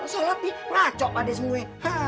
soalnya bi ngaco pada semua